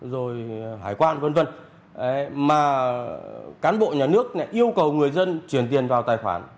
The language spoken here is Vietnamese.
rồi hải quan vân vân mà cán bộ nhà nước yêu cầu người dân chuyển tiền vào tài khoản